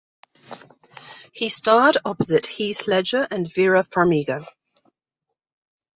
He starred opposite Heath Ledger and Vera Farmiga.